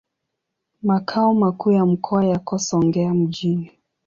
Makao makuu ya mkoa yako Songea mjini.